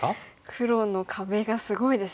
黒の壁がすごいですね。